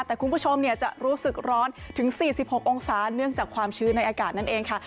แต่คุณผู้ชมจะรู้สึกร้อนถึง๔๖องศาเนื่องจากความชื้นในอากาศนั่นเองค่ะ